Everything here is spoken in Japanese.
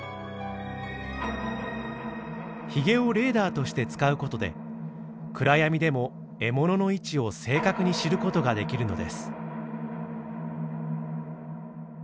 ヒゲをレーダーとして使う事で暗闇でも獲物の位置を正確に知る事ができるのです。